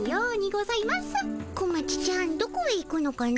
小町ちゃんどこへ行くのかの？